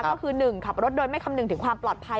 ก็คือ๑ขับรถโดยไม่คำนึงถึงความปลอดภัย